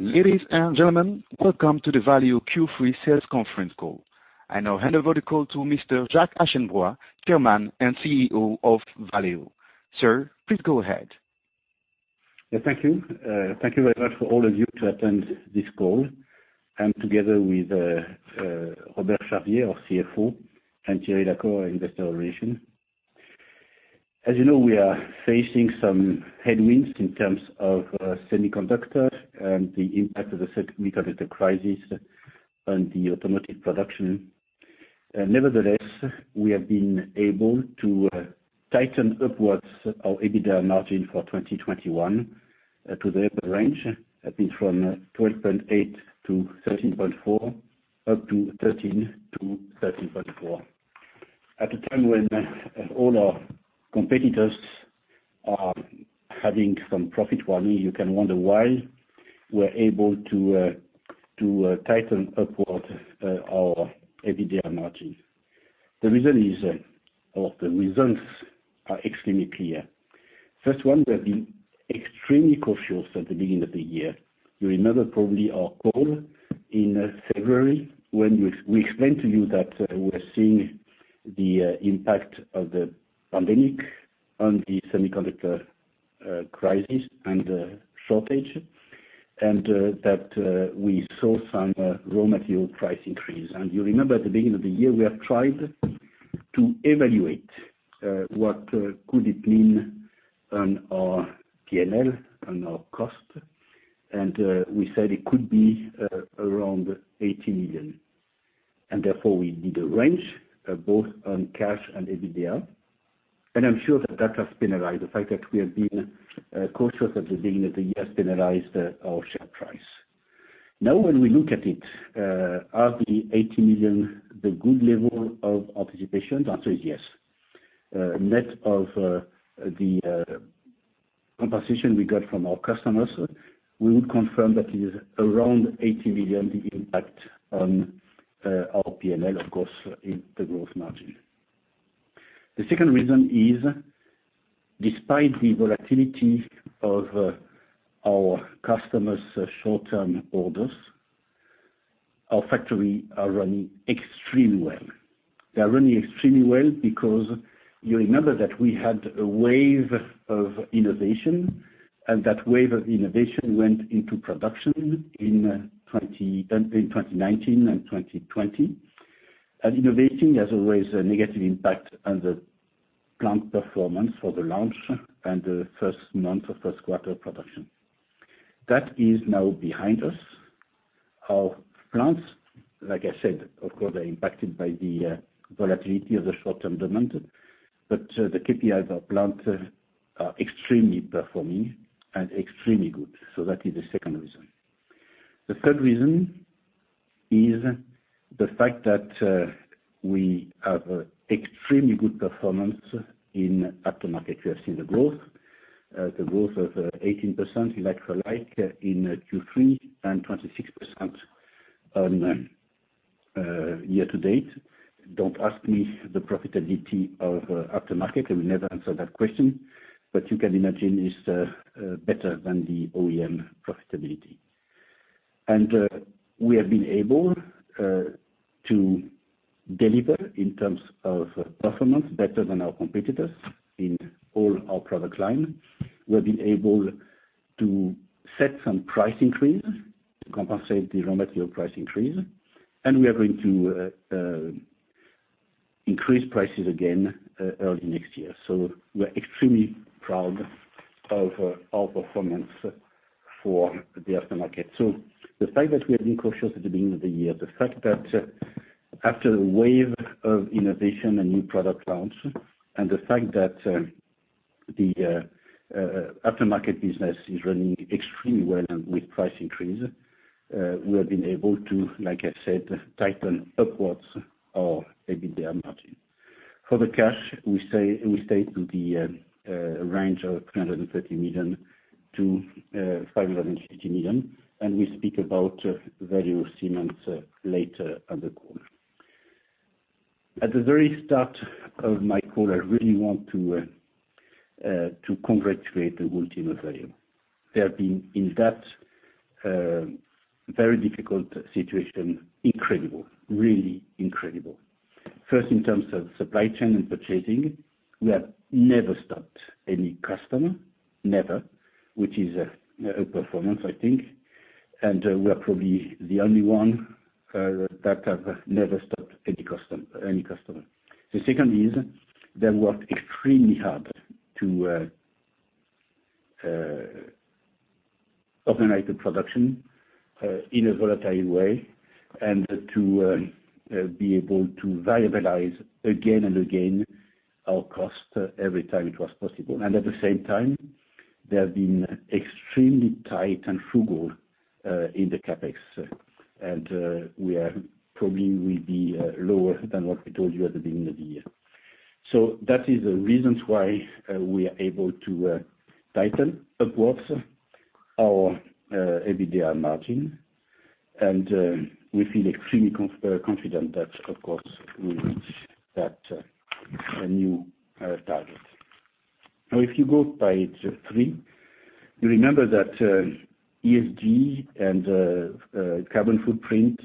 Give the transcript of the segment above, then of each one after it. Ladies and gentlemen, welcome to the Valeo Q3 sales conference call. I now hand over the call to Mr. Jacques Aschenbroich, Chairman and CEO of Valeo. Sir, please go ahead. Yeah, thank you. Thank you very much for all of you to attend this call. I'm together with Robert Charvier, our CFO, and Thierry Lacorre, our Investor Relations. As you know, we are facing some headwinds in terms of semiconductor and the impact of the semiconductor crisis on the automotive production. Nevertheless, we have been able to tighten upwards our EBITDA margin for 2021 to the upper range, that means from 12.8% to 13.4%, up to 13%-13.4%. At a time when all our competitors are having some profit warning, you can wonder why we're able to tighten upward our EBITDA margin. The reason is, or the reasons are extremely clear. First one, we have been extremely cautious at the beginning of the year. You remember probably our call in February, when we explained to you that we were seeing the impact of the pandemic on the semiconductor crisis and the shortage, and that we saw some raw material price increase. You remember at the beginning of the year, we have tried to evaluate what could it mean on our PNL, on our cost. We said it could be around 80 million. Therefore, we need a range both on cash and EBITDA. I'm sure that that has been right, the fact that we have been cautious at the beginning of the year has been a rise to our share price. Now, when we look at it, are the 80 million the good level of anticipation? The answer is yes. Net of the compensation we got from our customers, we would confirm that is around 80 million, the impact on our PNL, of course, in the gross margin. The second reason is, despite the volatility of our customers' short-term orders, our factory are running extremely well. They're running extremely well because you remember that we had a wave of innovation and that wave of innovation went into production in 2019 and 2020. Innovation has always a negative impact on the plant performance for the launch and the first month or first quarter production. That is now behind us. Our plants, like I said, of course, are impacted by the volatility of the short-term demand, but the KPIs of our plant are extremely performing and extremely good. That is the second reason. The third reason is the fact that we have extremely good performance in aftermarket. We have seen the growth of 18% like for like in Q3, and 26% on year to date. Don't ask me the profitability of aftermarket, I will never answer that question. You can imagine it's better than the OEM profitability. We have been able to deliver in terms of performance better than our competitors in all our product line. We have been able to set some price increase to compensate the raw material price increase, and we are going to increase prices again early next year. We're extremely proud of our performance for the aftermarket. The fact that we have been cautious at the beginning of the year, the fact that after the wave of innovation and new product launch, and the fact that the aftermarket business is running extremely well and with price increase, we have been able to, like I said, tighten up our EBITDA margin. For the cash, we say, we stick to the range of 330 million-550 million, and we speak about Valeo Siemens later on the call. At the very start of my call, I really want to congratulate the whole team of Valeo. They have been, in that very difficult situation, incredible, really incredible. First, in terms of supply chain and purchasing, we have never stopped any customer, which is a performance, I think. We are probably the only one that have never stopped any customer. The second is they worked extremely hard to organize the production in a volatile way and to be able to variabilize again and again our cost every time it was possible. At the same time, they have been extremely tight and frugal in the CapEx. We probably will be lower than what we told you at the beginning of the year. That is the reasons why we are able to tighten up our EBITDA margin. We feel extremely confident that, of course, we reach a new target. Now, if you go page three, you remember that ESG and carbon footprint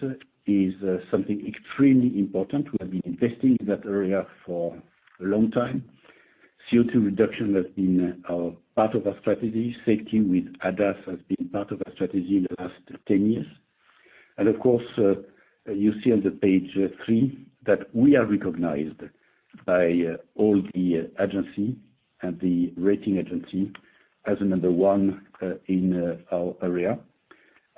is something extremely important. We have been investing in that area for a long time. CO2 reduction has been part of our strategy. Safety with ADAS has been part of our strategy in the last 10 years. Of course, you see on page 3 that we are recognized by all the agencies and the rating agencies as number one in our area.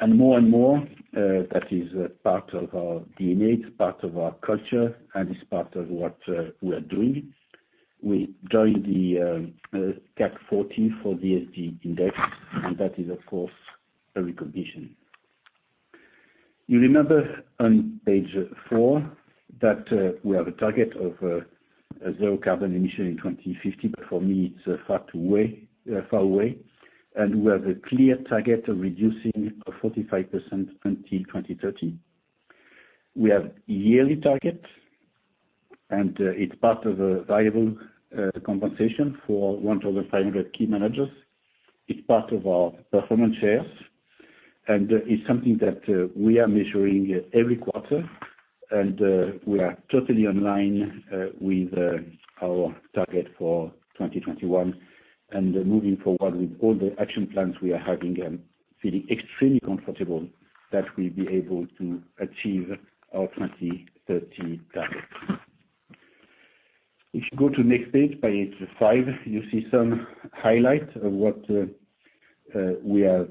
More and more, that is part of our DNA. It's part of our culture, and it's part of what we are doing. We joined the CAC 40 ESG Index, and that is, of course, a recognition. You remember on page 4 that we have a target of zero carbon emission in 2050. But for me, it's far too far away. We have a clear target of reducing 45% until 2030. We have a yearly target, and it's part of a variable compensation for 1,500 key managers. It's part of our performance shares, and it's something that we are measuring every quarter. We are totally on line with our target for 2021. Moving forward with all the action plans we are having, feeling extremely comfortable that we'll be able to achieve our 2030 target. If you go to the next page five, you see some highlights of what we have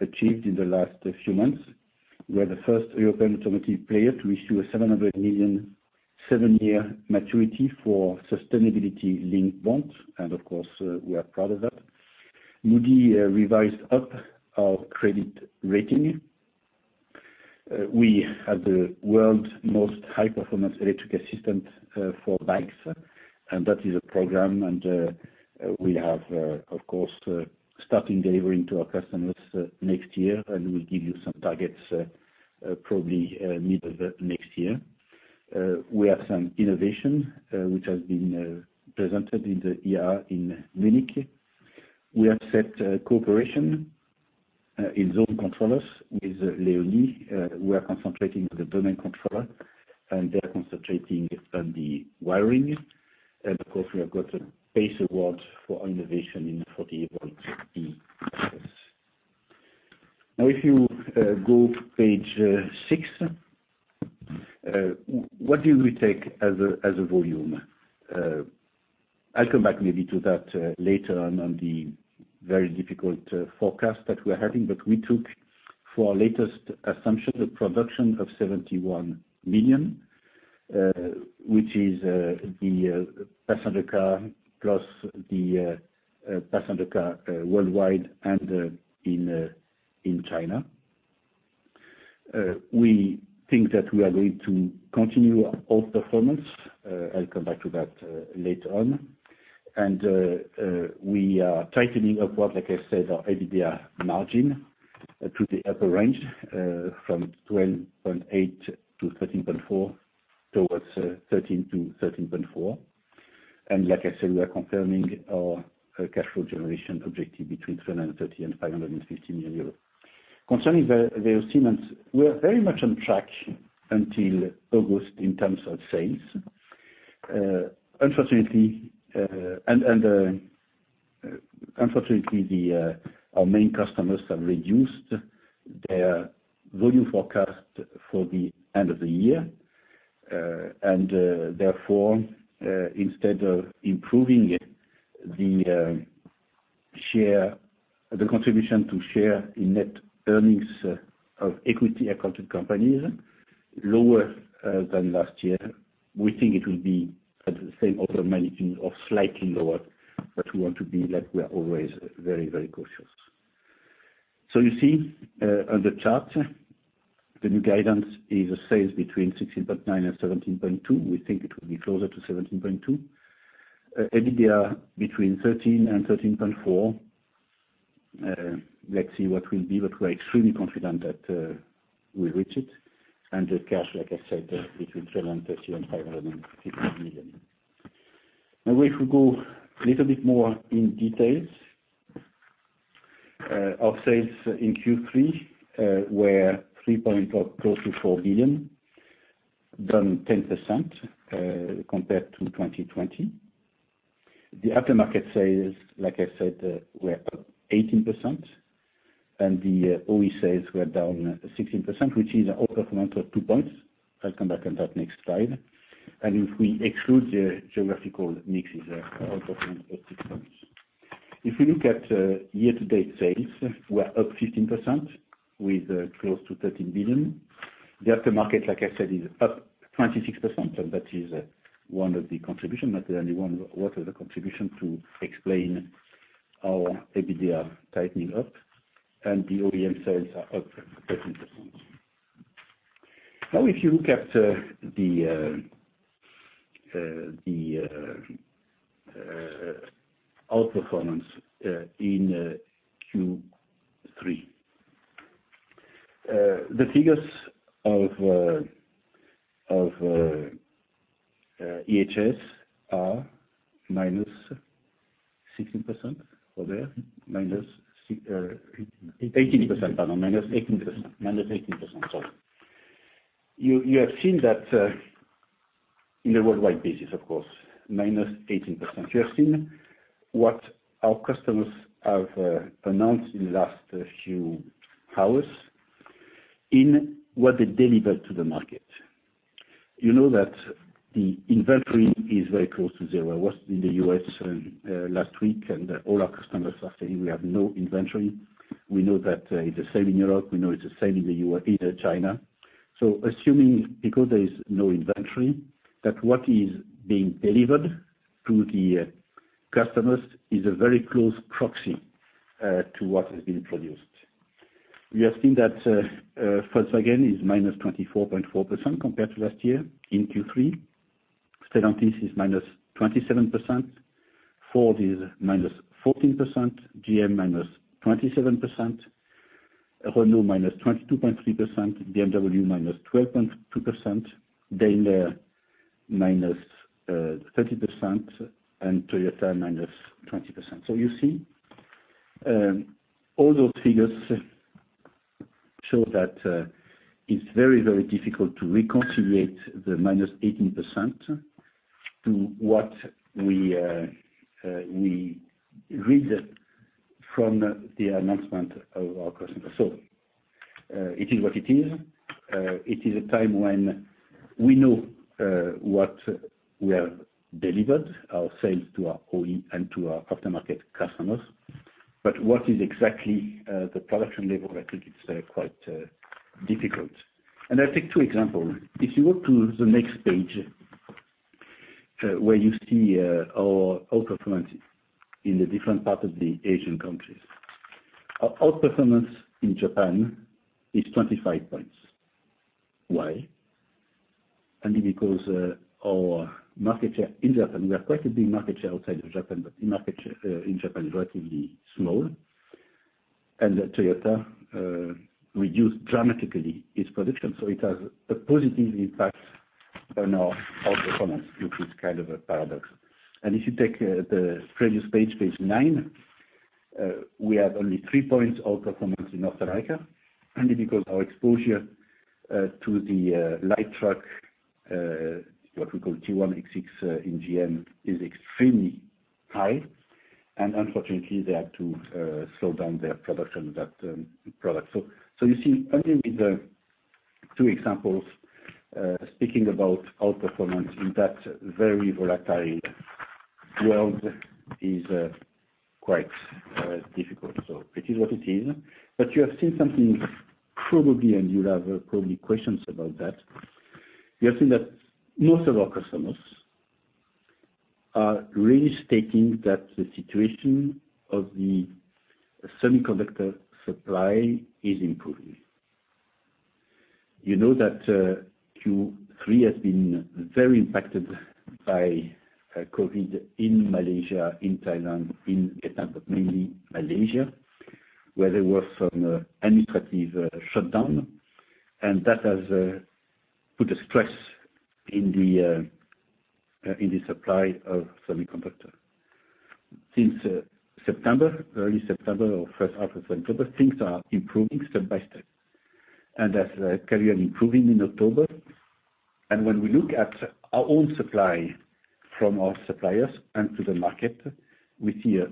achieved in the last few months. We're the first European automotive player to issue 700 million, 7-year maturity for sustainability-linked bonds. Of course, we are proud of that. Moody's revised up our credit rating. We have the world's most high-performance electric assistant for brakes, and that is a program. We have of course starting delivering to our customers next year. We'll give you some targets, probably, middle of next year. We have some innovation which has been presented in the IAA in Munich. We have set cooperation in zone controllers with Leoni. We are concentrating on the domain controller, and they're concentrating on the wiring. Of course, we have got a PACE Award for our innovation in 48V eAccess. Now, if you go to page six, what do we take as a volume? I'll come back maybe to that later on the very difficult forecast that we're having. We took for our latest assumption the production of 71 million, which is the passenger car plus the passenger car worldwide and in China. We think that we are going to continue our outperformance. I'll come back to that later on. We are tightening up, like I said, our EBITDA margin to the upper range from 12.8% to 13.4%, towards 13%-13.4%. Like I said, we are confirming our cash flow generation objective between 330 million and 550 million euros. Concerning the estimates, we are very much on track until August in terms of sales. Unfortunately, our main customers have reduced their volume forecast for the end of the year. Therefore, instead of improving the share, the contribution to share in net earnings of equity accounted companies lower than last year, we think it will be at the same order of magnitude or slightly lower. We want to be like we are always very cautious. You see, on the chart, the new guidance is sales between 16.9 and 17.2. We think it will be closer to 17.2. EBITDA between 13%-13.4%. Let's see what will be, but we're extremely confident that we reach it. The cash, like I said, between 330 million and 550 million. Now, if we go a little bit more into details. Our sales in Q3 were 3 billion or close to EUR 4 billion, down 10%, compared to 2020. The aftermarket sales, like I said, were up 18%, and the OE sales were down 16%, which is outperformance of 2 points. I'll come back on that next slide. If we exclude the geographical mix outperformance of 6 points. If we look at year-to-date sales, we're up 15% with close to 13 billion. The aftermarket, like I said, is up 26%, and that is one of the contributions, not the only one, to explain our EBITDA tightening up, and the OEM sales are up 13%. Now, if you look at the outperformance in Q3, the figures of IHS are -16% over there. -18%. Pardon. -18%. Sorry. You have seen that in a worldwide basis, of course, -18%. You have seen what our customers have announced in the last few hours in what they deliver to the market. You know that the inventory is very close to zero. I was in the U.S. last week, and all our customers are saying we have no inventory. We know that it's the same in Europe. We know it's the same in the U.S., in China. Assuming because there is no inventory, that what is being delivered to the customers is a very close proxy to what has been produced. We have seen that, Volkswagen is -24.4% compared to last year in Q3. Stellantis is -27%. Ford is -14%, GM -27%, Renault -22.3%, BMW -12.2%, Daimler -30%, and Toyota -20%. You see, all those figures show that, it's very, very difficult to reconcile the -18% to what we read from the announcement of our customers. It is what it is. It is a time when we know what we have delivered, our sales to our OE and to our aftermarket customers. What is exactly the production level, I think it's quite difficult. I take two example. If you go to the next page, where you see our outperformance in the different part of the Asian countries. Our outperformance in Japan is 25 points. Why? Only because our market share in Japan, we have quite a big market share outside of Japan, but the market share in Japan is relatively small. Toyota reduced dramatically its production, so it has a positive impact on our outperformance, which is kind of a paradox. If you take the previous page nine, we have only three points outperformance in North America, only because our exposure to the light truck what we call T1XX in GM is extremely high. Unfortunately, they had to slow down their production of that product. So you see only with the two examples speaking about outperformance in that very volatile world is quite difficult. So it is what it is. But you have seen something probably, and you'll have probably questions about that. You have seen that most of our customers are really stating that the situation of the semiconductor supply is improving. You know that Q3 has been very impacted by COVID in Malaysia, in Thailand, in Vietnam, but mainly Malaysia, where there was an administrative shutdown, and that has put a stress in the supply of semiconductor. Since September, early September or first half of September, things are improving step by step, and it's carrying on improving in October. When we look at our own supply from our suppliers and to the market, we see a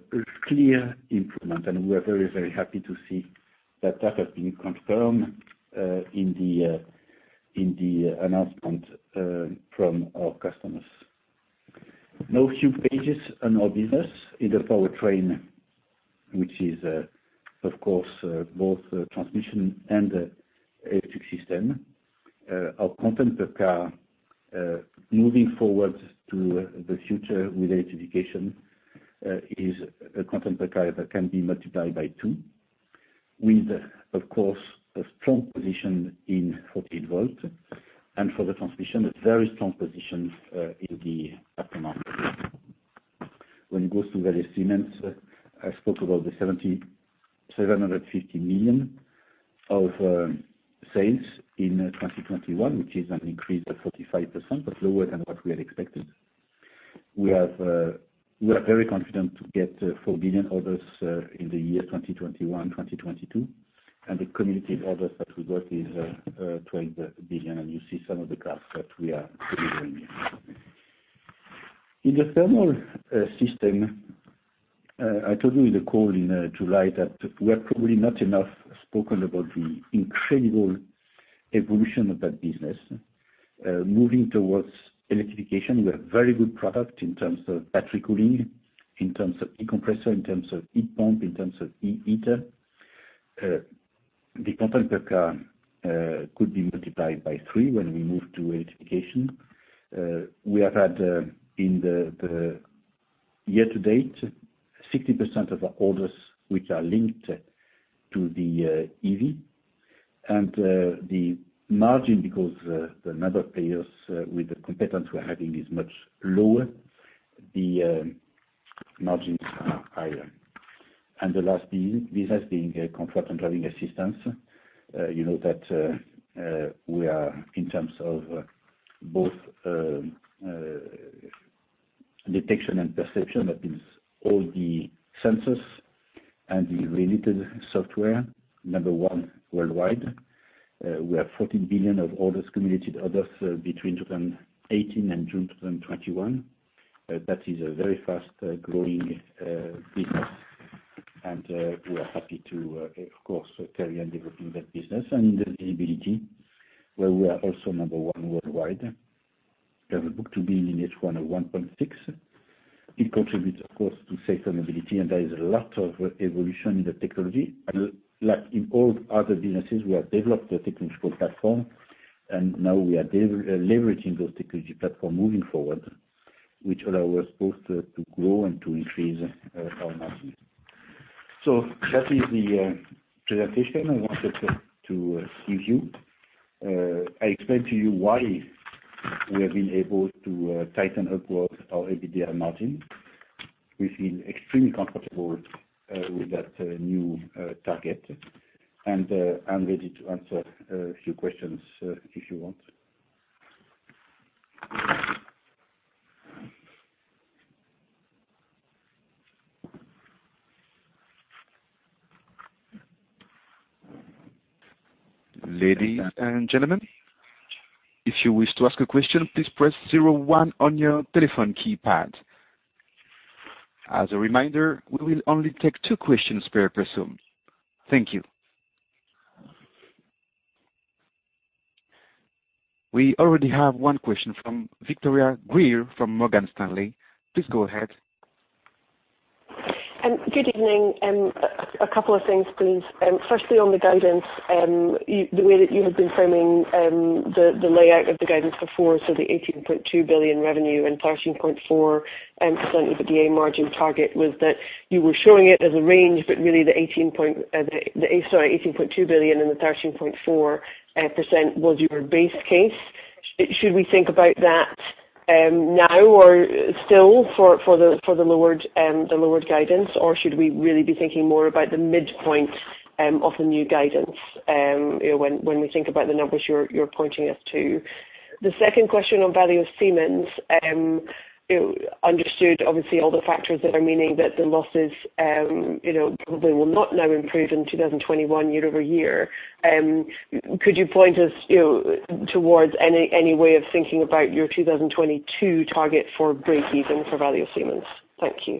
clear improvement, and we are very, very happy to see that has been confirmed in the announcement from our customers. Now a few pages on our business in the powertrain, which is, of course, both transmission and electric system. Our content per car, moving forward to the future with electrification, is a content per car that can be multiplied by two with, of course, a strong position in 48V and for the transmission, a very strong position in the aftermarket. When it goes to Valeo Siemens, I spoke about the 750 million of sales in 2021, which is an increase of 45%, but lower than what we had expected. We are very confident to get 4 billion orders in the year 2021, 2022, and the cumulative orders that we got is 12 billion. You see some of the graphs that we are delivering here. In the thermal system, I told you in the call in July that we have probably not spoken enough about the incredible evolution of that business. Moving towards electrification, we have very good product in terms of battery cooling, in terms of e-compressor, in terms of e-pump, in terms of e-heater. The content per car could be multiplied by three when we move to electrification. We have had in the year to date, 60% of the orders which are linked to the EV. The margins because the number of players with the competitors we're having is much lower. Margins are higher. The last business being Comfort and Driving Assistance, you know that we are in terms of both detection and perception. That is all the sensors and the related software, number one worldwide. We have 14 billion of orders, cumulative orders, between 2018 and June 2021. That is a very fast growing business. We are happy to, of course, carry on developing that business. The Visibility where we are also number one worldwide. We have a book-to-bill in H1 of 1.6. It contributes, of course, to safety and mobility, and there is a lot of evolution in the technology. Like in all other businesses, we have developed a technological platform, and now we are leveraging those technology platform moving forward, which allow us both to grow and to increase our margins. That is the presentation I wanted to give you. I explained to you why we have been able to tighten upwards our EBITDA margin. We feel extremely comfortable with that new target, and I'm ready to answer a few questions if you want. Ladies and gentlemen, if you wish to ask a question, please press zero one on your telephone keypad. As a reminder, we will only take two questions per person. Thank you. We already have one question from Victoria Greer from Morgan Stanley. Please go ahead. Good evening. A couple of things, please. Firstly, on the guidance, the way that you have been framing the layout of the guidance before. The 18.2 billion revenue and 13.4% EBITDA margin target was that you were showing it as a range. But really the 18.2 billion and the 13.4% was your base case. Should we think about that now or still for the lowered guidance, or should we really be thinking more about the midpoint of the new guidance? You know, when we think about the numbers you're pointing us to. The second question on Valeo Siemens. Understood, obviously all the factors that mean that the losses, you know, probably will not now improve in 2021 year-over-year. Could you point us towards any way of thinking about your 2022 target for breakeven for Valeo Siemens? Thank you.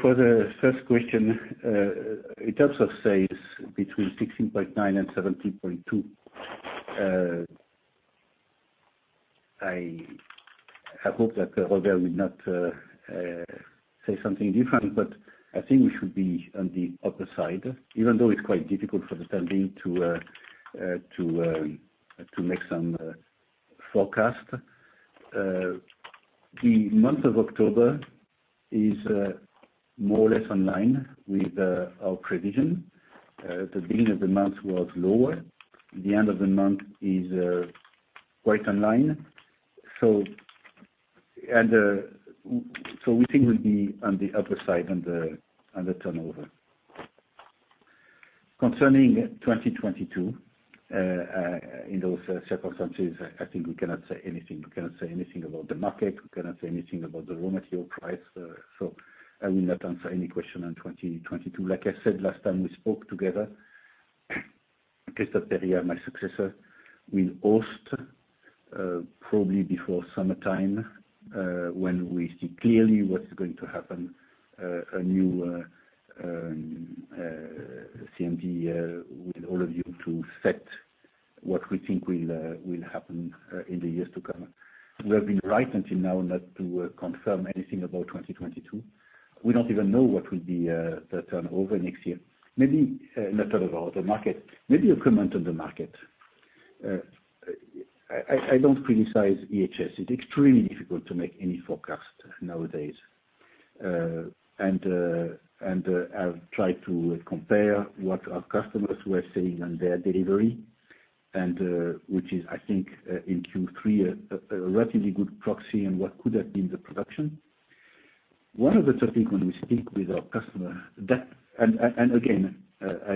For the first question, it also says between 16.9% and 17.2%. I hope that Robert will not say something different, but I think we should be on the upper side, even though it's quite difficult for the standing to make some forecast. The month of October is more or less in line with our prediction. The beginning of the month was lower. The end of the month is quite in line. We think we'll be on the upper side of the turnover. Concerning 2022, in those circumstances, I think we cannot say anything. We cannot say anything about the market. We cannot say anything about the raw material price. I will not answer any question on 2022. Like I said last time we spoke together, Christophe Périllat, my successor, will host probably before summertime, when we see clearly what's going to happen, a new CMD with all of you to set what we think will happen in the years to come. We have been right until now not to confirm anything about 2022. We don't even know what will be the turnover next year. Maybe not at all the market. Maybe a comment on the market. I don't criticize IHS. It's extremely difficult to make any forecast nowadays. I've tried to compare what our customers were saying on their delivery and which is I think in Q3 a relatively good proxy on what could have been the production. One of the topics when we speak with our customer is that I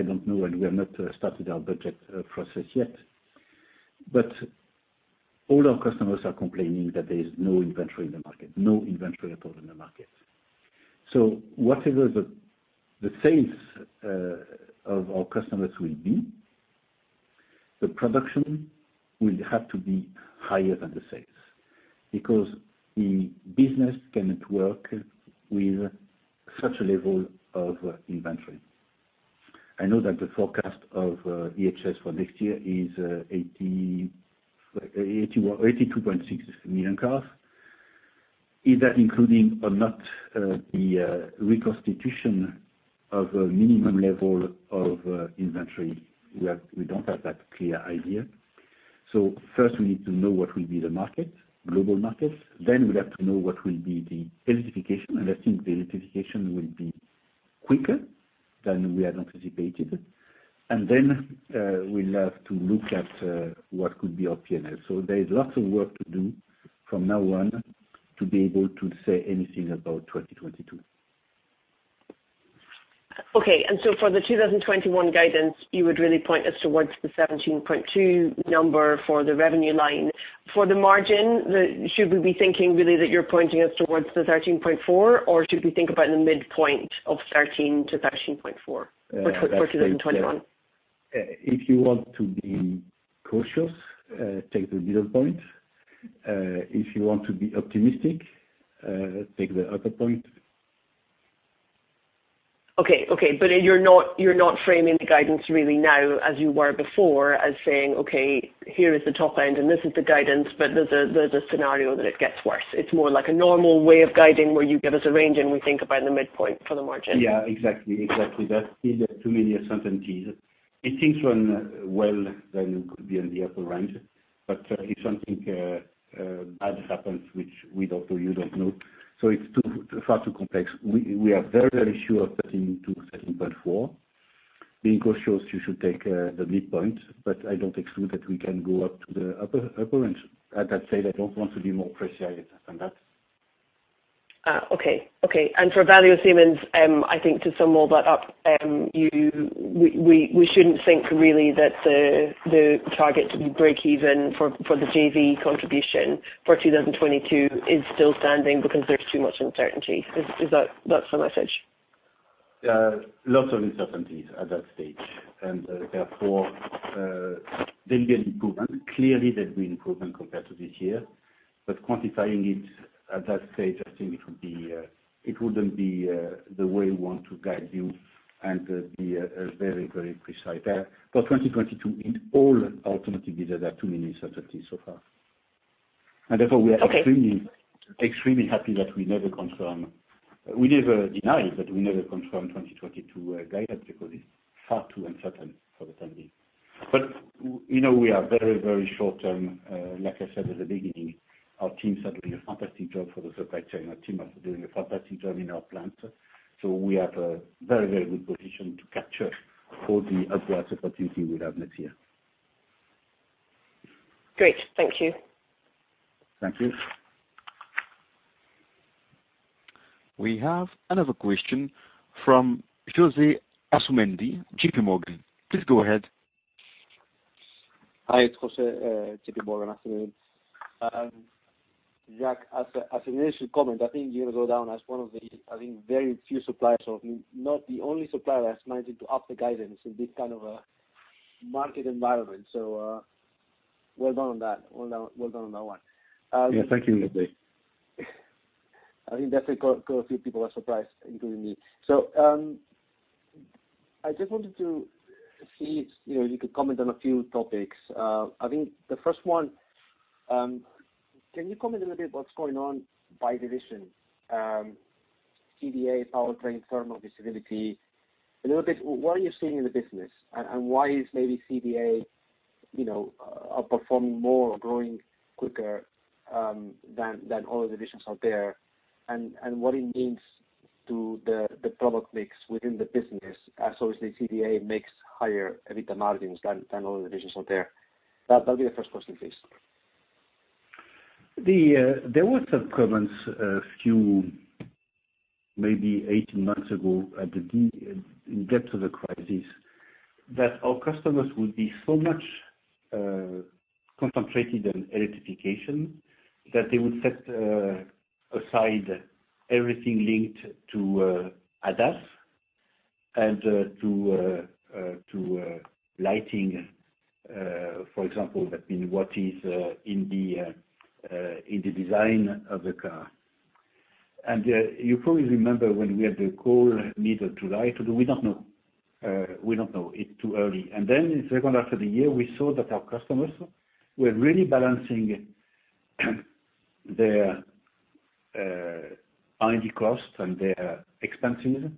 don't know and we have not started our budget process yet, but all our customers are complaining that there is no inventory in the market, no inventory at all in the market. Whatever the sales of our customers will be, the production will have to be higher than the sales, because the business cannot work with such a level of inventory. I know that the forecast of IHS for next year is 81-82.6 million cars. Is that including or not the reconstitution of a minimum level of inventory? We don't have that clear idea. First we need to know what will be the market, global market. We'll have to know what will be the electrification, and I think the electrification will be quicker than we had anticipated. We'll have to look at what could be our P&L. There is lots of work to do from now on to be able to say anything about 2022. Okay. For the 2021 guidance, you would really point us towards the 17.2 number for the revenue line. For the margin, should we be thinking really that you're pointing us towards the 13.4%, or should we think about the midpoint of 13%-13.4% for 2021? If you want to be cautious, take the middle point. If you want to be optimistic, take the upper point. Okay. You're not framing the guidance really now as you were before as saying, "Okay, here is the top end and this is the guidance, but there's a scenario that it gets worse." It's more like a normal way of guiding where you give us a range and we think about the midpoint for the margin. Yeah, exactly. That is too many certainties. If things run well, then it could be on the upper range. But if something bad happens, which we don't or you don't know. It's far too complex. We are very, very sure of getting to 13.4. Being cautious, you should take the midpoint, but I don't exclude that we can go up to the upper range. At that stage, I don't want to be more precise than that. For Valeo Siemens, I think to sum all that up, we shouldn't think really that the target to be breakeven for the JV contribution for 2022 is still standing because there's too much uncertainty. Is that the message. Yeah. Lots of uncertainties at that stage. Therefore, there'll be an improvement. Clearly, there'll be improvement compared to this year, but quantifying it at that stage, I think it wouldn't be the way we want to guide you and be very, very precise. For 2022 in all alternatives, there are too many uncertainties so far. Therefore, we are extremely- Okay. I'm extremely happy that we never confirm. We never deny, but we never confirm 2022 guidance because it's far too uncertain for the time being. You know, we are very, very short term. Like I said at the beginning, our teams are doing a fantastic job for the supply chain. Our team are doing a fantastic job in our plants. So we have a very, very good position to capture all the upwards opportunity we'll have next year. Great. Thank you. Thank you. We have another question from José Asumendi, J.P. Morgan. Please go ahead. Hi, it's Jose Asumendi, J.P. Morgan. Afternoon. Jacques, as an initial comment, I think you go down as one of the very few suppliers or not the only supplier that's managed to up the guidance in this kind of a market environment. Well done on that one. Yeah. Thank you. I think that's quite a few people are surprised, including me. I just wanted to see if, you know, you could comment on a few topics. I think the first one, can you comment a little bit what's going on by division, CDA, powertrain, thermal, visibility. A little bit, what are you seeing in the business and why is maybe CDA, you know, performing more or growing quicker than all the divisions out there. What it means to the product mix within the business as obviously CDA makes higher EBITDA margins than all the divisions out there. That'll be the first question, please. There were some comments a few, maybe 18 months ago at the depth of the crisis that our customers would be so much concentrated on electrification that they would set aside everything linked to ADAS and to lighting, for example, that mean what is in the design of the car. You probably remember when we had the call middle July, we don't know. It's too early. Then the second half of the year, we saw that our customers were really balancing their R&D costs and their expenses,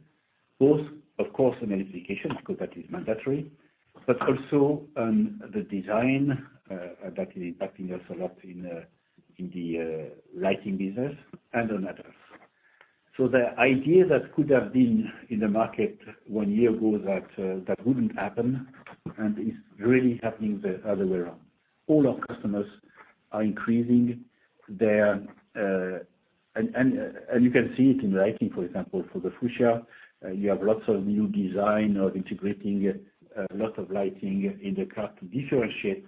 both of course in electrification because that is mandatory, but also on the design that is impacting us a lot in the lighting business and on ADAS. The idea that could have been in the market one year ago that wouldn't happen and is really happening the other way around. All our customers are increasing their. You can see it in lighting, for example, for the future, you have lots of new design of integrating a lot of lighting in the car to differentiate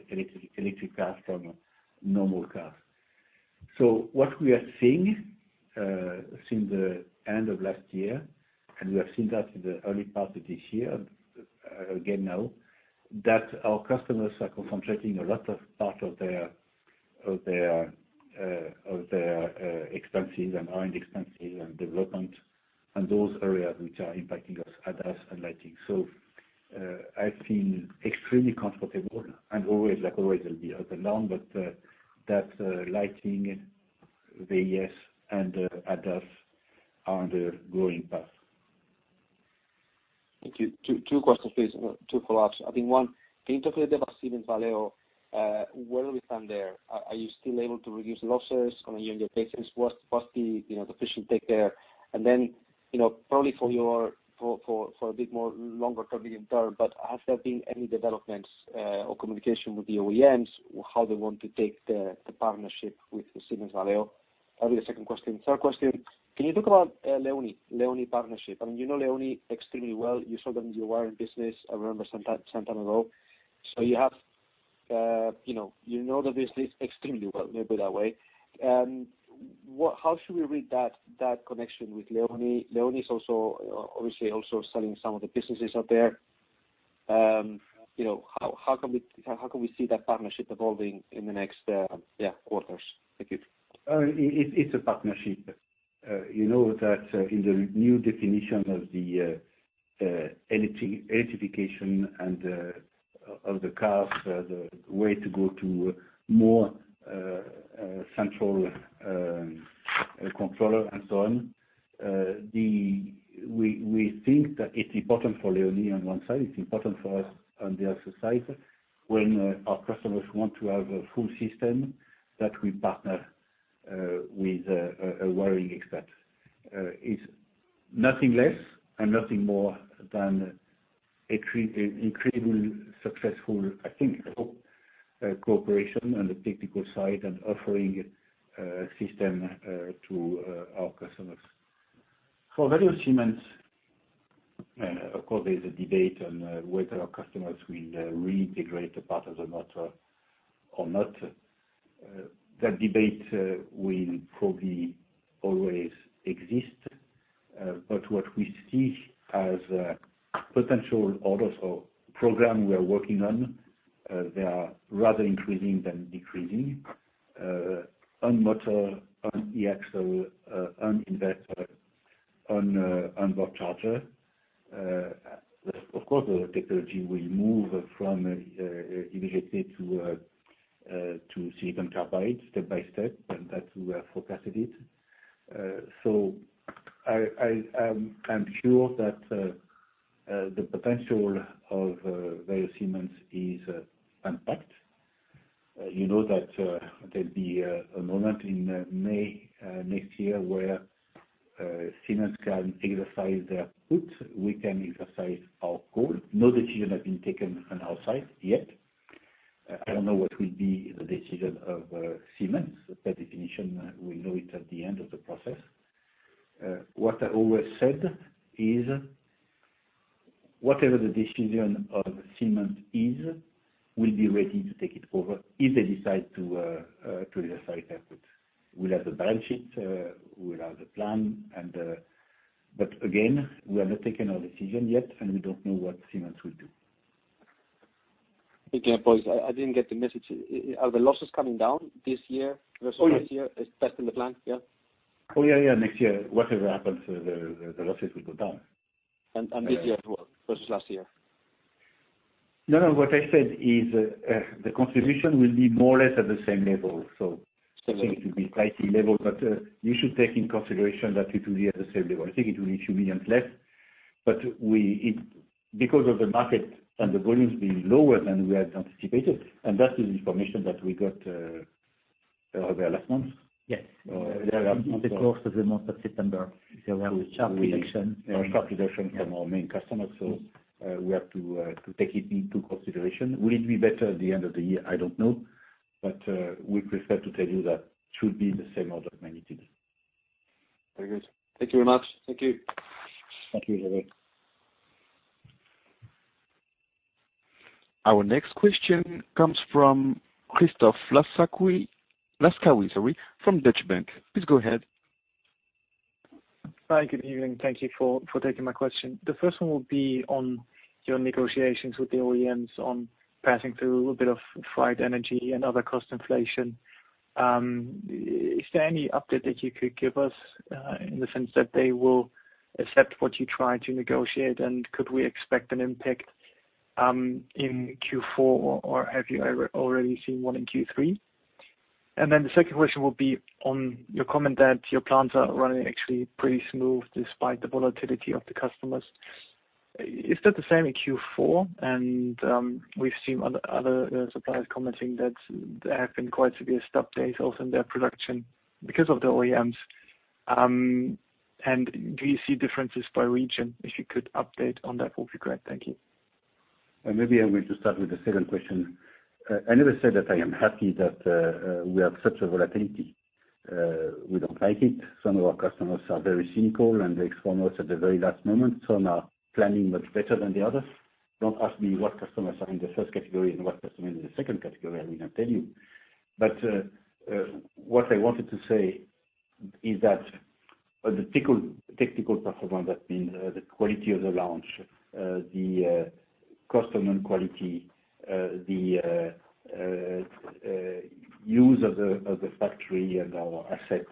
electric cars from normal cars. What we are seeing since the end of last year, and we have seen that in the early part of this year, again now, that our customers are concentrating a lot of part of their expenses and R&D expenses and development and those areas which are impacting us, ADAS and lighting. I feel extremely comfortable and always, like always will be alone, but that lighting, VIS and ADAS are on the growing path. Thank you. Two questions please. Two follow-ups. Can you talk about the Valeo Siemens, where we stand there? Are you still able to reduce losses coming into your P&L? What's the P&L takeaway? Probably for a bit more longer term medium term, but has there been any developments or communication with the OEMs, how they want to take the partnership with the Valeo Siemens? That'll be the second question. Third question, can you talk about Leoni partnership? You know Leoni extremely well. You saw them, you were in business, I remember some time ago. So you have, you know the business extremely well, maybe that way. What, how should we read that connection with Leoni? Leoni is also, obviously also selling some of the businesses out there. You know, how can we see that partnership evolving in the next quarters? Thank you. It's a partnership. You know that in the new definition of the electrification and of the cars, the way to go to more central controller and so on. We think that it's important for Leoni on one side, it's important for us on the other side, when our customers want to have a full system that we partner with a wiring expert. It's nothing less and nothing more than an incredibly successful cooperation, I think, on the technical side and offering a system to our customers. For Valeo Siemens, of course, there's a debate on whether our customers will reintegrate a part of the motor or not. That debate will probably always exist. What we see as potential orders or program we are working on, they are rather increasing than decreasing, on motor, on E-axle, on inverter, on onboard charger. Of course the technology will move from IGBT to silicon carbide step by step, and that we have forecasted it. I'm sure that the potential of Valeo Siemens is untapped. You know that there'll be a moment in May next year where Siemens can exercise their put. We can exercise our call. No decision has been taken on our side yet. I don't know what will be the decision of Siemens. By definition, we know it at the end of the process. What I always said is whatever the decision of Siemens is, we'll be ready to take it over if they decide to exercise their put. We'll have the balance sheet, we'll have the plan. But again, we have not taken our decision yet, and we don't know what Siemens will do. Again, apologies. I didn't get the message. Are the losses coming down this year versus last year as best in the plan? Yeah. Oh, yeah. Next year, whatever happens, the losses will go down. This year as well versus last year. No, no. What I said is, the contribution will be more or less at the same level. I think it will be slightly level, but you should take into consideration that it will be at the same level. I think it will be 2 million less, but because of the market and the volumes being lower than we had anticipated, and that is information that we got there last month. Yes. There last month. the course of the month of September, there were sharp reductions. Sharp reduction from our main customers. We have to take it into consideration. Will it be better at the end of the year? I don't know. We prefer to tell you that it should be the same order of magnitude. Very good. Thank you very much. Thank you. Thank you, Hervé. Our next question comes from Christoph Laskawi from Deutsche Bank. Please go ahead. Hi. Good evening. Thank you for taking my question. The first one will be on your negotiations with the OEMs on passing through a bit of freight energy and other cost inflation. Is there any update that you could give us in the sense that they will accept what you try to negotiate? Could we expect an impact in Q4, or have you already seen one in Q3? Then the second question will be on your comment that your plants are running actually pretty smooth despite the volatility of the customers. Is that the same in Q4? We've seen other suppliers commenting that there have been quite severe stop days also in their production because of the OEMs. Do you see differences by region? If you could update on that, would be great. Thank you. Maybe I'm going to start with the second question. I never said that I am happy that we have such a volatility. We don't like it. Some of our customers are very cynical and they inform us at the very last moment. Some are planning much better than the others. Don't ask me what customers are in the first category and what customers are in the second category. I will not tell you. What I wanted to say is that the technical performance, that means, the quality of the launch, the customer quality, the use of the factory and our assets,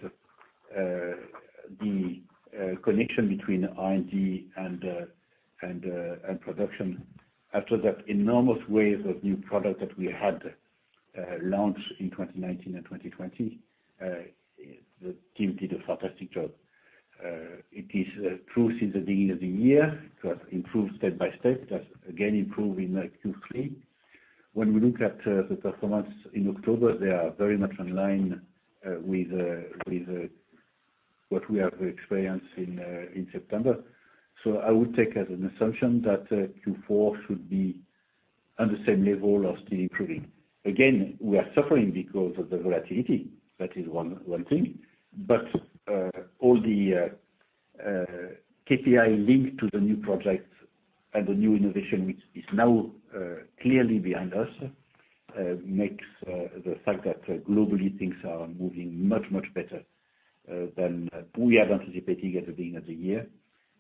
the connection between R&D and production after that enormous wave of new product that we had launched in 2019 and 2020. The team did a fantastic job. It is true since the beginning of the year, it has improved step by step, has again improved in Q3. When we look at the performance in October, they are very much in line with what we have experienced in September. I would take as an assumption that Q4 should be on the same level or still improving. Again, we are suffering because of the volatility, that is one thing. All the KPI linked to the new projects and the new innovation which is now clearly behind us makes the fact that globally things are moving much better than we had anticipated at the beginning of the year,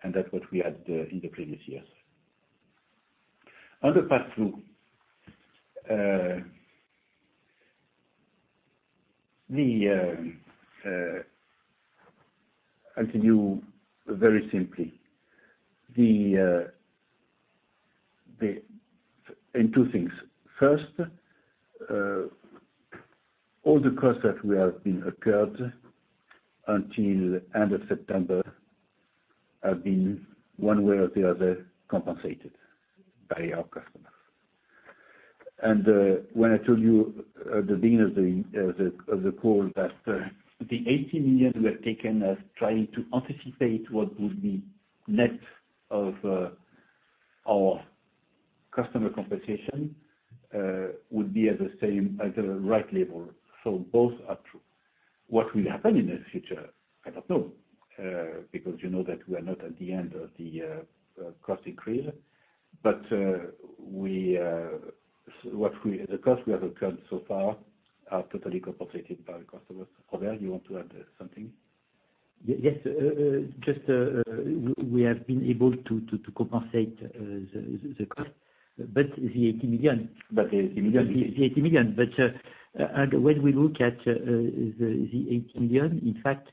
and that's what we had in the previous years. On the pass-through, I'll tell you very simply in two things. First, all the costs that we have been incurred until end of September have been one way or the other compensated by our customers. When I told you at the beginning of the call that the 80 million we have taken as trying to anticipate what would be next of our customer compensation would be at the same, at the right level. Both are true. What will happen in the future, I don't know, because you know that we are not at the end of the cost increase. The costs we have incurred so far are totally compensated by the customers. Robert, you want to add something? Yes. Just we have been able to compensate the cost. The 80 million- The 80 million. The EUR 80 million. When we look at the 80 million, in fact,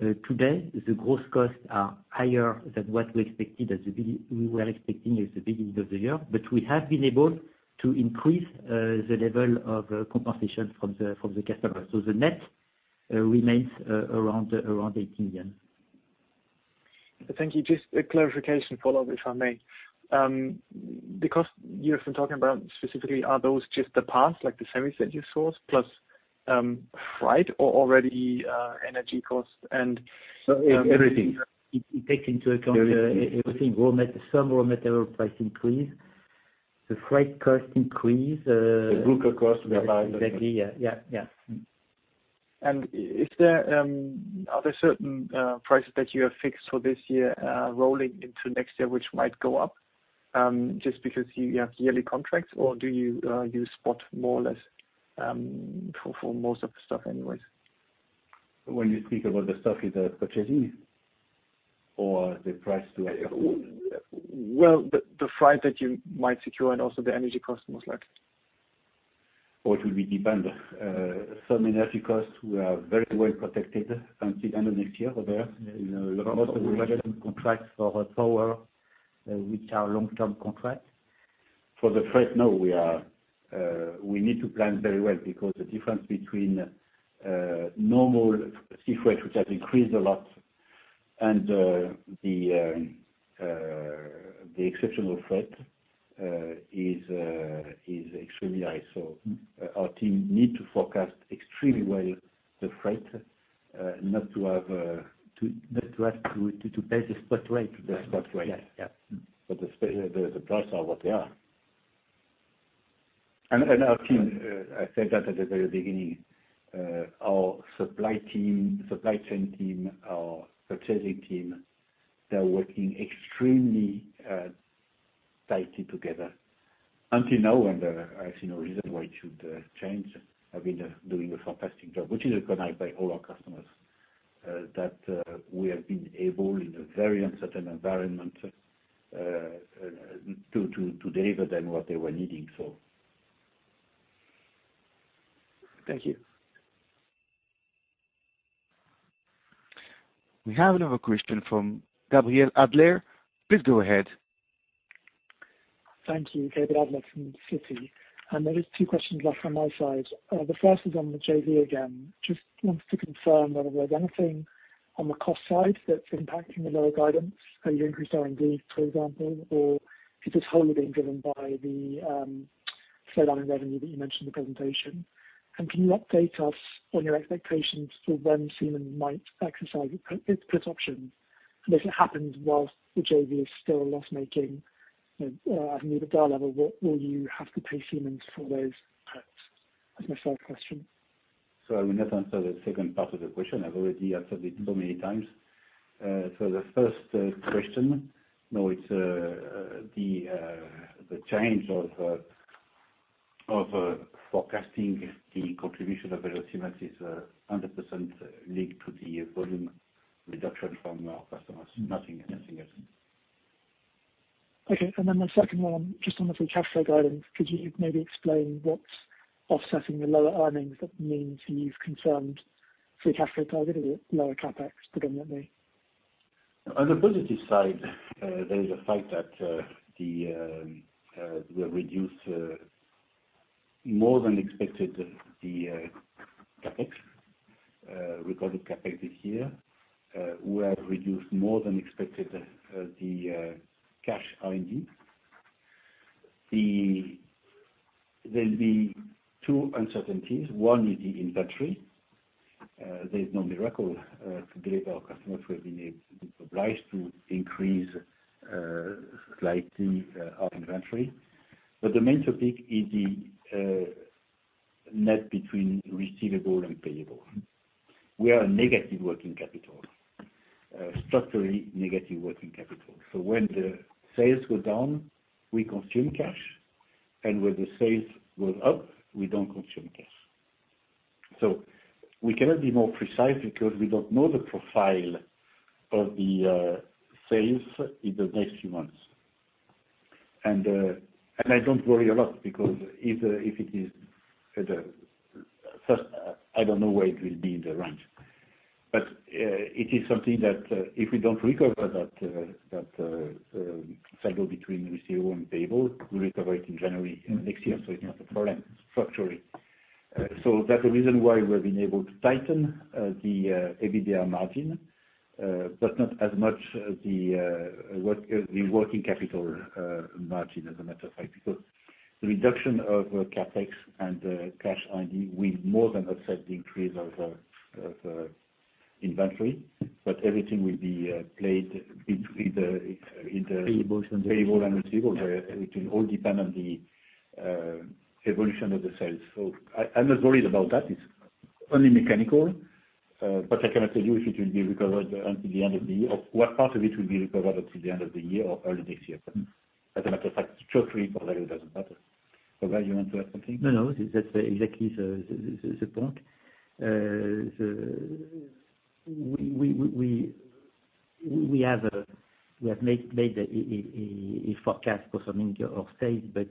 today, the growth costs are higher than what we were expecting at the beginning of the year. We have been able to increase the level of compensation from the customer. The net remains around 80 million. Thank you. Just a clarification follow-up, if I may. The costs you have been talking about specifically, are those just the pass-through, like the semis that you sourced, plus freight or already energy costs and No, e-everything. It takes into account. Everything. Everything. Some raw material price increase, the freight cost increase. The broker costs we are paying. Exactly. Yeah. Mm. Are there certain prices that you have fixed for this year, rolling into next year, which might go up, just because you have yearly contracts? Or do you use spot more or less, for most of the stuff anyways? When you speak about the stuff, purchasing or the price to- Well, the freight that you might secure and also the energy cost most likely. Oh, it will be dependent. Some energy costs, we are very well protected until end of next year. Robert? Yeah. In a lot of contracts for our power, which are long-term contracts. For the freight, we need to plan very well because the difference between normal sea freight, which has increased a lot, and the exceptional freight is extremely high. Our team need to forecast extremely well the freight not to have Not to have to pay the spot rate. The spot rate. Yeah. Yeah. The prices are what they are. Our team, I said that at the very beginning, our supply team, supply chain team, our purchasing team, they're working extremely tightly together until now. I see no reason why it should change. They have been doing a fantastic job, which is recognized by all our customers that we have been able, in a very uncertain environment, to deliver them what they were needing. Thank you. We have another question from Gabriel Adler. Please go ahead. Thank you. Gabriel Adler from Citi. There is two questions left on my side. The first is on the JV again. Just wanted to confirm whether there's anything on the cost side that's impacting the lower guidance. Are you increased R&D, for example? Or is this wholly being driven by the slowdown in revenue that you mentioned in the presentation? Can you update us on your expectations for when Siemens might exercise its option? If it happens while the JV is still loss-making at EBITDA level, will you have to pay Siemens for those, as my third question. I will not answer the second part of the question. I've already answered it so many times. The first question, no, it's the change of forecasting the contribution of Valeo Siemens is 100% linked to the volume reduction from our customers. Nothing else. Okay. The second one, just on the free cash flow guidance, could you maybe explain what's offsetting the lower earnings that means you've confirmed free cash flow target is at lower CapEx predominantly? On the positive side, there is a fact that we have reduced more than expected the recorded CapEx this year. We have reduced more than expected the cash R&D. There'll be two uncertainties. One is the inventory. There's no miracle to deliver our customers. We've been obliged to increase slightly our inventory. The main topic is the net between receivable and payable. We are a negative working capital, structurally negative working capital. When the sales go down, we consume cash, and when the sales go up, we don't consume cash. We cannot be more precise because we don't know the profile of the sales in the next few months. I don't worry a lot because I don't know where it will be in the range. It is something that if we don't recover that cycle between receivable and payable, we recover it in January next year, so it's not a problem structurally. That's the reason why we've been able to tighten the EBITDA margin, but not as much as the working capital margin as a matter of fact, because the reduction of CapEx and the cash R&D will more than offset the increase of inventory. Everything will be played between the in the Payables and- Payable and receivable. It will all depend on the evolution of the sales. I'm not worried about that. It's only mechanical, but I cannot tell you if it will be recovered until the end of the year or what part of it will be recovered until the end of the year or early next year. As a matter of fact, structurally, for Valeo, it doesn't matter. Robert, you want to add something? No, no. That's exactly the point. We have made a forecast for some of our sales, but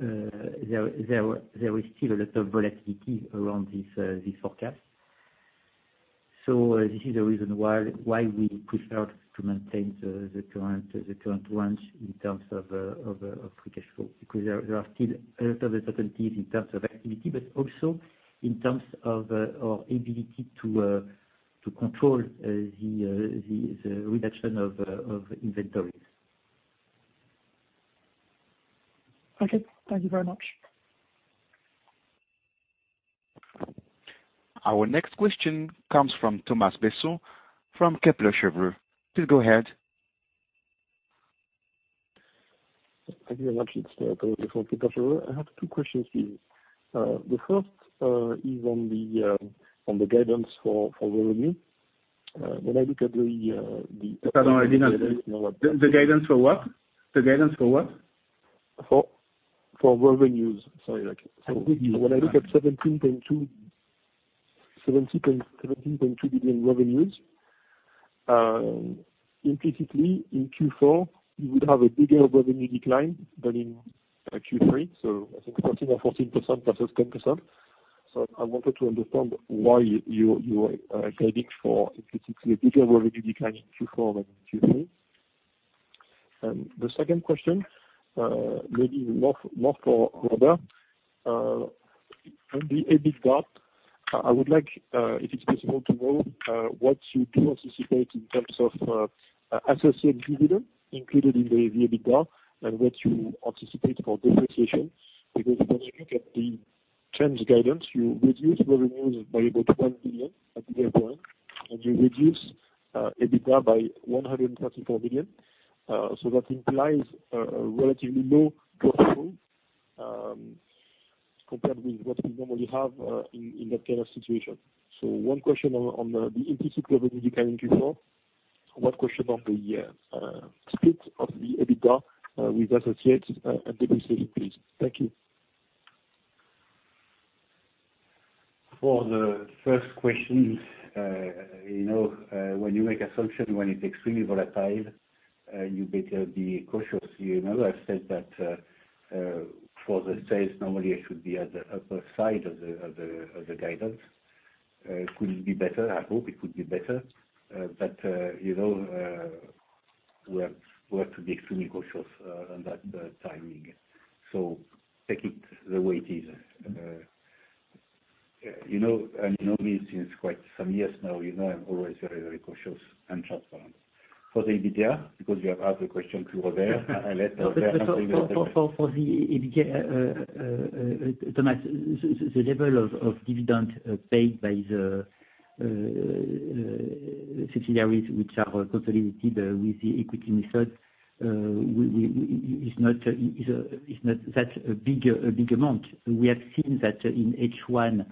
there is still a lot of volatility around this forecast. This is the reason why we prefer to maintain the current range in terms of free cash flow. Because there are still a lot of uncertainties in terms of activity, but also in terms of our ability to control the reduction of inventories. Okay, thank you very much. Our next question comes from Thomas Besson from Kepler Cheuvreux. Please go ahead. Thank you very much. It's Thomas from Kepler Cheuvreux. I have two questions for you. The first is on the guidance for revenue. When I look at the Sorry, I did not hear. The guidance for what? For revenues. Sorry, like For revenues. When I look at 17.2 billion revenues, implicitly in Q4, you would have a bigger revenue decline than in Q3, so I think 13% or 14% versus 10%. I wanted to understand why you are guiding for implicitly a bigger revenue decline in Q4 than Q3. The second question, maybe more for Robert. On the EBITDA, I would like if it's possible to know what you do anticipate in terms of associate dividend included in the EBITDA and what you anticipate for depreciation, because when you look at the trends guidance, you reduce revenues by about 1 billion at this point, and you reduce EBITDA by 134 million. That implies a relatively low growth rate, compared with what we normally have, in that kind of situation. One question on the implicit revenue decline in Q4. One question on the split of the EBITDA with associates and depreciation, please. Thank you. For the first question, you know, when you make assumption when it's extremely volatile, you better be cautious. You know, I've said that, for the sales, normally I should be at the upper side of the guidance. Could it be better? I hope it could be better. You know, we have to be extremely cautious on that timing. Take it the way it is. You know, you know me since quite some years now, you know I'm always very cautious and transparent. For the EBITDA, because you have asked the question to Robert, I'll let Robert answer. For the EBIT, Thomas, the level of dividend paid by the subsidiaries which are consolidated with the equity method is not that big a big amount. We have seen that in H1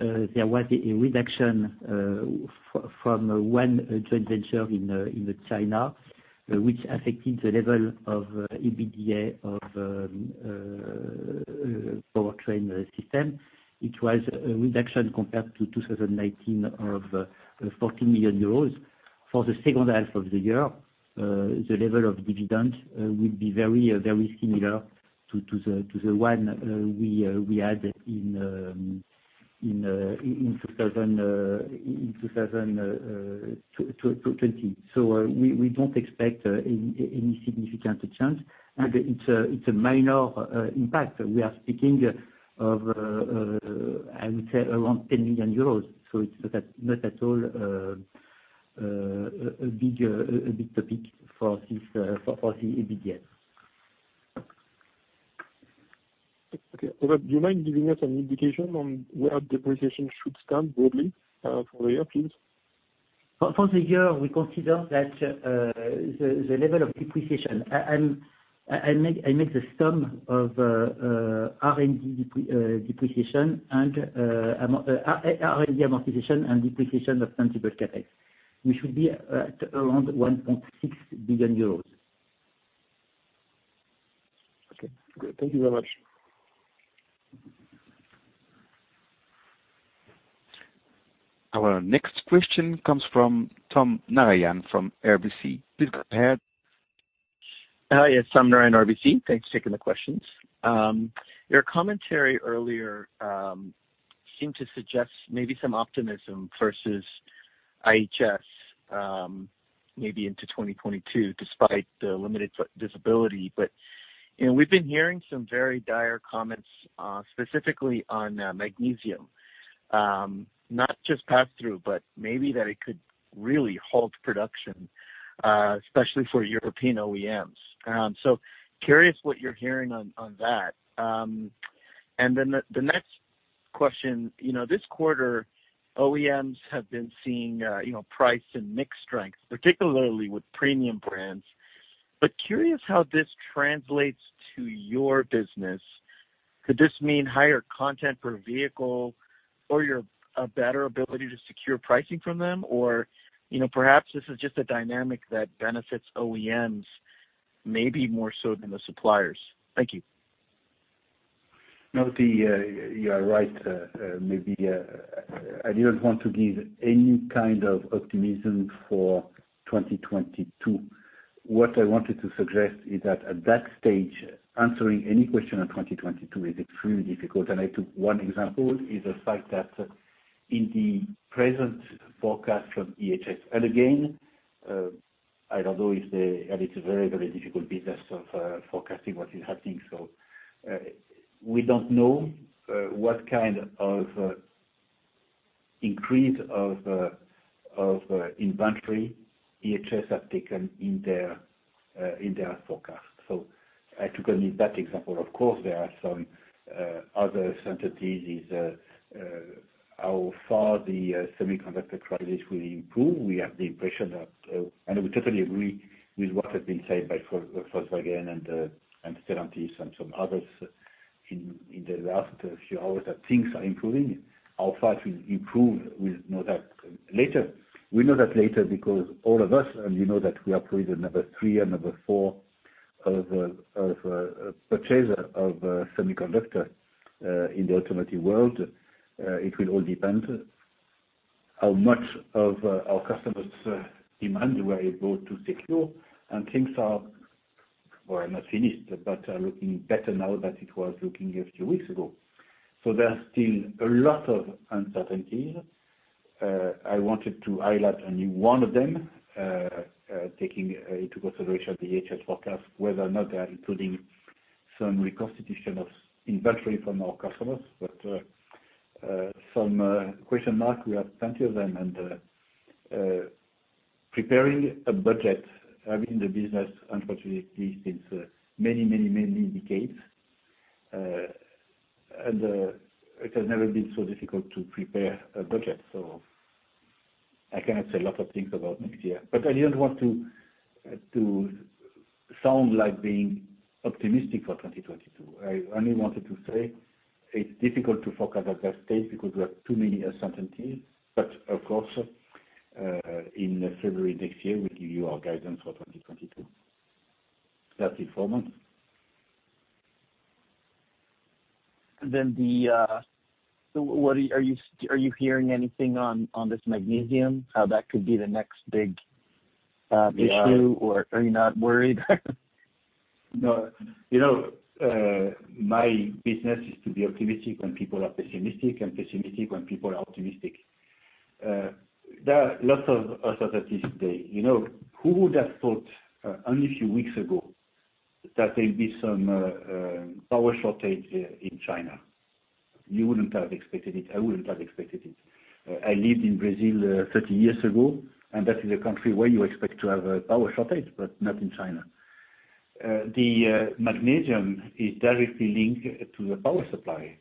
there was a reduction from one joint venture in China, which affected the level of EBITDA of Powertrain Systems. It was a reduction compared to 2019 of 14 million euros. For the second half of the year The level of dividend will be very similar to the one we had in 2020. We don't expect any significant change. It's a minor impact. We are speaking of, I would say, around 10 million euros. It's not at all a big topic for the EBITDA. Okay. Robert, do you mind giving us an indication on where depreciation should stand broadly, for the year, please? For the year, we consider that the level of depreciation, I make the sum of R&D depreciation and R&D amortization and depreciation of tangible CapEx, we should be at around 1.6 billion euros. Okay, great. Thank you very much. Our next question comes from Tom Narayan from RBC. Please go ahead. Hi, yes. Tom Narayan, RBC. Thanks for taking the questions. Your commentary earlier seemed to suggest maybe some optimism versus IHS, maybe into 2022, despite the limited visibility. You know, we've been hearing some very dire comments, specifically on magnesium. Not just pass through, but maybe that it could really halt production, especially for European OEMs. Curious what you're hearing on that. And then the next question, you know, this quarter OEMs have been seeing, you know, price and mix strength, particularly with premium brands. Curious how this translates to your business. Could this mean higher content per vehicle or you're a better ability to secure pricing from them? You know, perhaps this is just a dynamic that benefits OEMs, maybe more so than the suppliers. Thank you. No, you are right. Maybe I didn't want to give any kind of optimism for 2022. What I wanted to suggest is that at that stage, answering any question on 2022 is extremely difficult. I took one example is the fact that in the present forecast from IHS. Again, I don't know if they and it's a very, very difficult business of forecasting what is happening. We don't know what kind of increase of inventory IHS have taken in their forecast. I took only that example. Of course, there are some other uncertainties is how far the semiconductor crisis will improve. We have the impression that we totally agree with what has been said by Volkswagen and Stellantis and some others in the last few hours that things are improving. How far it will improve, we'll know that later. We know that later because all of us, and you know that we are probably the number 3 and number 4 purchasers of semiconductors in the automotive world. It will all depend how much of our customers' demand we're able to secure. Things are, well, not finished, but are looking better now than it was looking a few weeks ago. There are still a lot of uncertainties. I wanted to highlight only one of them, taking into consideration the IHS forecast, whether or not they are including some reconstitution of inventory from our customers. Some question marks, we have plenty of them. Preparing a budget, I'm in the business unfortunately since many decades. It has never been so difficult to prepare a budget, so I cannot say a lot of things about next year. I didn't want to sound like being optimistic for 2022. I only wanted to say it's difficult to forecast at that stage because we have too many uncertainties. Of course, in February next year, we'll give you our guidance for 2022. That's in four months. What are you hearing anything on this magnesium, how that could be the next big issue? We are. Are you not worried? No. You know, my business is to be optimistic when people are pessimistic, and pessimistic when people are optimistic. There are lots of uncertainties today. You know, who would have thought, only a few weeks ago that there'll be some power shortage in China? You wouldn't have expected it. I wouldn't have expected it. I lived in Brazil 30 years ago, and that is a country where you expect to have a power shortage, but not in China. The magnesium is directly linked to the power supply.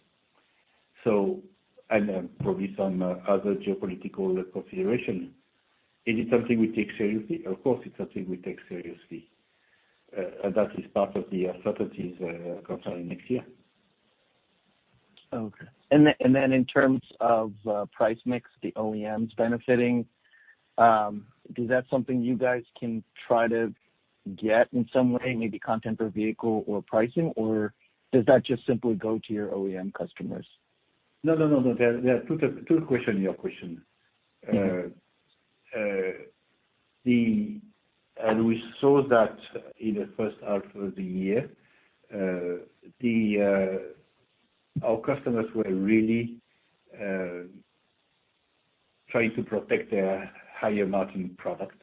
Probably some other geopolitical consideration. Is it something we take seriously? Of course, it's something we take seriously. That is part of the uncertainties concerning next year. Okay. In terms of price mix, the OEMs benefiting, is that something you guys can try to get in some way, maybe content per vehicle or pricing, or does that just simply go to your OEM customers? No. There are two questions in your question. We saw that in the first half of the year, our customers were really trying to protect their higher margin products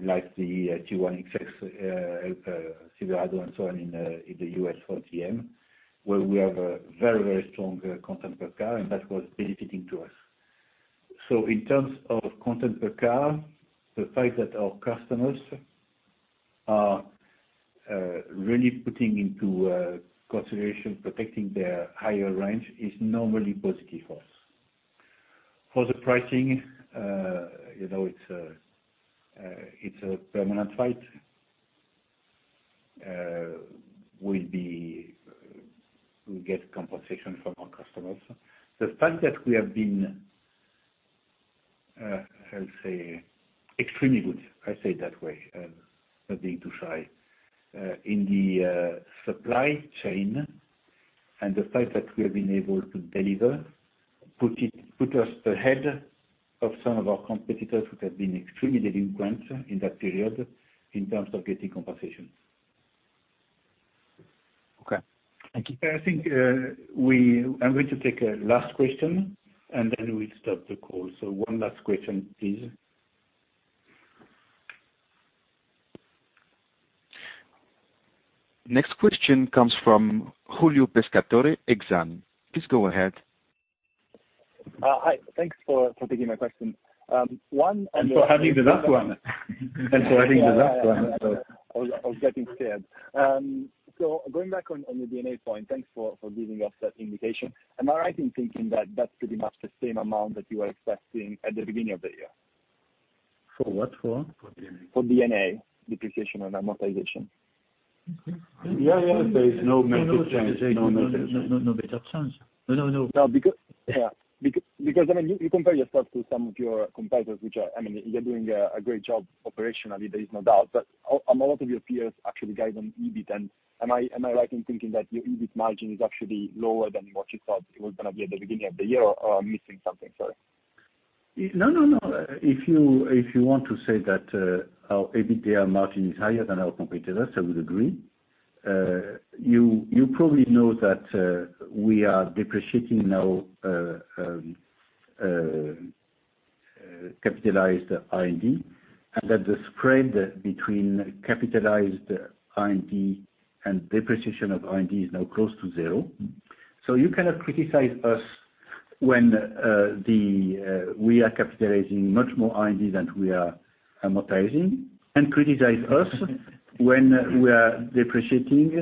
like the T1XX, Silverado and so on in the U.S. for GM, where we have a very strong content per car, and that was benefiting us. In terms of content per car, the fact that our customers are really putting into consideration protecting their higher range is normally positive for us. For the pricing, you know, it's a permanent fight. We'll get compensation from our customers. The fact that we have been, I'll say extremely good, I say it that way, not being too shy, in the supply chain and the fact that we have been able to deliver put us ahead of some of our competitors who have been extremely delinquent in that period in terms of getting compensation. Okay. Thank you. I think, I'm going to take a last question, and then we'll stop the call. One last question, please. Next question comes from Giulio Pescatore, Exane. Please go ahead. Hi. Thanks for taking my question. For having the last one, so. I was getting scared. Going back on the D&A point, thanks for giving us that indication. Am I right in thinking that that's pretty much the same amount that you were expecting at the beginning of the year? For what? For D&A, depreciation and amortization. Yeah, yeah. There is no major change. No major change. No. Yeah, because I mean, you compare yourself to some of your competitors. I mean, you're doing a great job operationally, there is no doubt, but a lot of your peers actually guide on EBIT. Am I right in thinking that your EBIT margin is actually lower than what you thought it was gonna be at the beginning of the year, or I'm missing something? Sorry. No. If you want to say that our EBITDA margin is higher than our competitors, I would agree. You probably know that we are depreciating now capitalized R&D, and that the spread between capitalized R&D and depreciation of R&D is now close to zero. You cannot criticize us when we are capitalizing much more R&D than we are amortizing, and criticize us when we are depreciating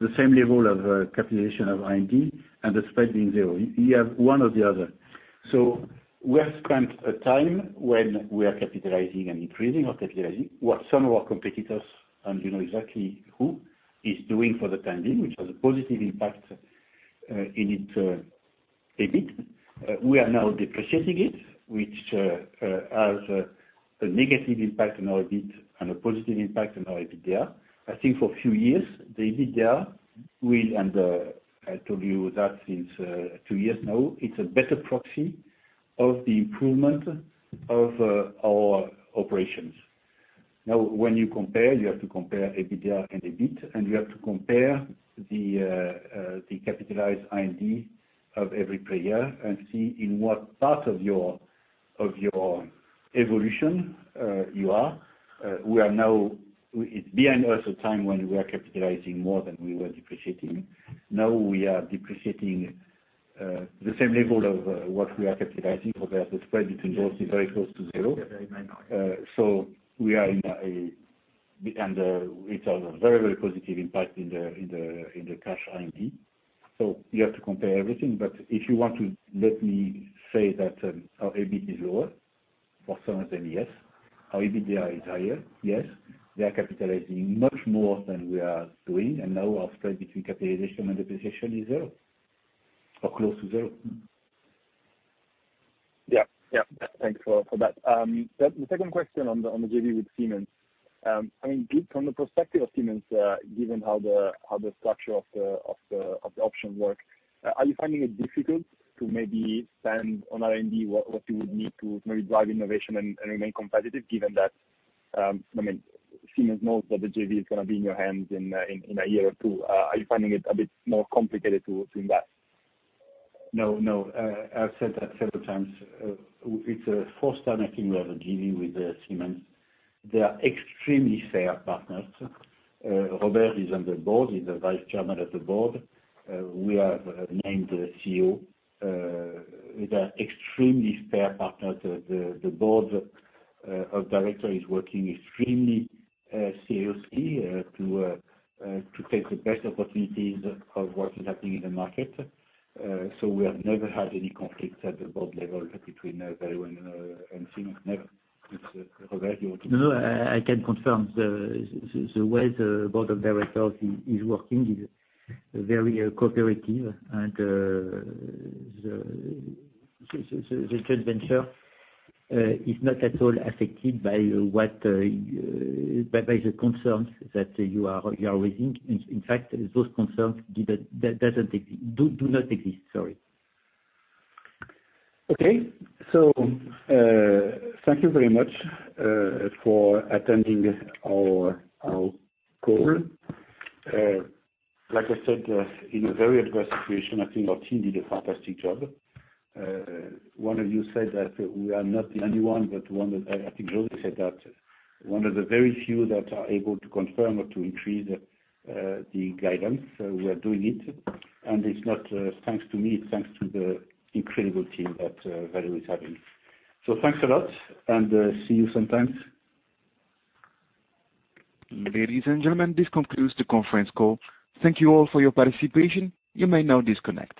the same level of capitalization of R&D and the spread being zero. You have one or the other. We have spent a time when we are capitalizing and increasing our capitalizing what some of our competitors, and you know exactly who, is doing for the time being, which has a positive impact in its EBIT. We are now depreciating it, which has a negative impact on our EBIT and a positive impact on our EBITDA. I think for a few years the EBITDA will and I told you that since two years now, it's a better proxy of the improvement of our operations. Now, when you compare, you have to compare EBITDA and EBIT, and you have to compare the capitalized R&D of every player and see in what part of your evolution you are. It's behind us, a time when we were capitalizing more than we were depreciating. Now we are depreciating the same level of what we are capitalizing for. The spread between those is very close to zero. Yeah. Very minor. It's a very, very positive impact in the cash R&D. You have to compare everything. If you want to let me say that, our EBIT is lower for some of them, yes. Our EBITDA is higher, yes. They are capitalizing much more than we are doing. Now our spread between capitalization and depreciation is zero or close to zero. Yeah. Thanks for that. The second question on the JV with Siemens. I mean, from the perspective of Siemens, given how the structure of the option work, are you finding it difficult to maybe spend on R&D what you would need to maybe drive innovation and remain competitive, given that, I mean, Siemens knows that the JV is gonna be in your hands in a year or two? Are you finding it a bit more complicated to do that? No, no. I've said that several times. It's a four-star ranking. We have a JV with Siemens. They are extremely fair partners. Robert is on the board. He's the vice chairman of the board. We have named the CEO. They are extremely fair partners. The board of directors is working extremely seriously to take the best opportunities of what is happening in the market. We have never had any conflicts at the board level between Valeo and Siemens. Never. It's Robert, you want to- No, I can confirm. The way the board of directors is working is very cooperative, and the joint venture is not at all affected by the concerns that you are raising. In fact, those concerns do not exist, sorry. Okay. Thank you very much for attending our call. Like I said, in a very adverse situation, I think our team did a fantastic job. One of you said that we are not the only one, but one that I think Jose said that. One of the very few that are able to confirm or to increase the guidance. We are doing it, and it's not thanks to me, it's thanks to the incredible team that Valeo is having. Thanks a lot, and see you sometime. Ladies and gentlemen, this concludes the conference call. Thank you all for your participation. You may now disconnect.